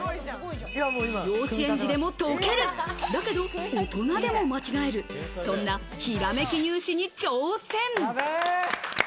幼稚園児でも解ける、だけど大人でも間違える、そんなひらめき入試に挑戦。